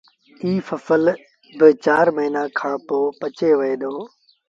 ايٚ ڦسل با چآر موهيݩآ کآݩ پو پچي وهي دو